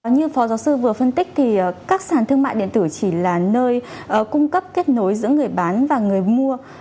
như phó giáo sư vừa phân tích thì các sản thương mại điện tử chỉ là nơi cung cấp kết nối giữa người bán và người mua